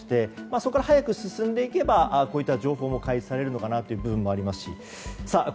そこから早く進んでいけばこういった情報も開示されるのかなという部分もありますし。